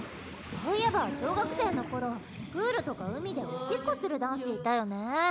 そういえば小学生の頃プールとか海でおしっこする男子いたよね。